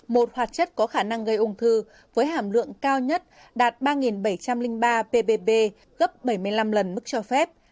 một hoạt chất có khả năng gây ung thư với hàm lượng cao nhất đạt ba bảy trăm linh ba pbp gấp bảy mươi năm lần mức cho phép